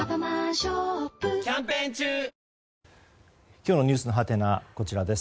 今日のｎｅｗｓのハテナはこちらです。